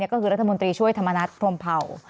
ก็คือรัฐมนตรีช่วยธรรมนัฐพรมเผ่า